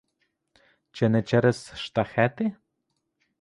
Чи не через штахети?